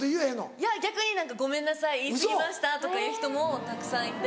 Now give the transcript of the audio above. いや逆に「ごめんなさい言い過ぎました」とか言う人もたくさんいて。